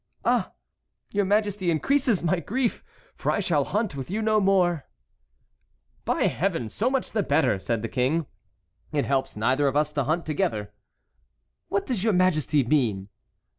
"Ah! your Majesty increases my grief, for I shall hunt with you no more." "By Heaven! so much the better!" said the King. "It helps neither of us to hunt together." "What does your Majesty mean?"